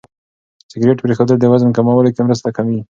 سګرېټ پرېښودل د وزن کمولو کې مرسته کوي.